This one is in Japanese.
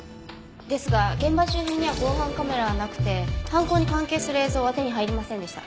ですが現場周辺には防犯カメラはなくて犯行に関係する映像は手に入りませんでした。